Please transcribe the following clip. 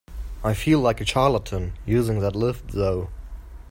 I feel like a charlatan using that lift though.